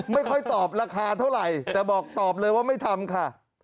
ไม่ค่อยตอบราคาเท่าไหร่แต่บอกตอบเลยว่าไม่ทำค่ะ